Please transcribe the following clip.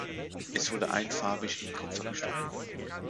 Es wurde einfarbig in Kupfer gestochen.